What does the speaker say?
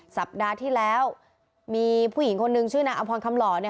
สัปดาห์ที่แล้วมีผู้หญิงคนนึงชื่อนางอำพรคำหล่อเนี่ย